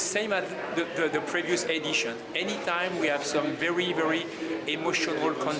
film pendek yang menceritakan jasa seorang pembulung sampah di sungai jakarta ini mendapatkan apresiasi sebagai yang terbaik dalam cerita maupun sinematografinya